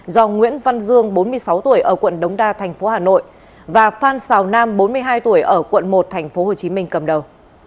do nguyễn văn dương bốn mươi sáu tuổi ở quận đống đa tp hcm và phan xào nam bốn mươi hai tuổi ở quận một tp hcm cầm đầu